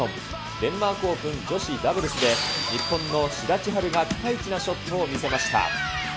デンマークオープン女子ダブルスで日本の志田千陽がピカイチなショットを見せました。